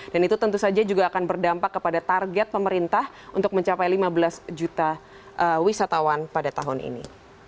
dan itu tentu saja juga akan berdampak kepada target pemerintah untuk mencapai lima belas juta wisatawan pada tahun ini